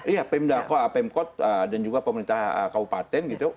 iya pemda pemkot dan juga pemerintah kabupaten gitu